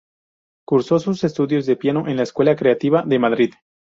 Cursó sus estudios de piano en la Escuela Creativa de Madrid.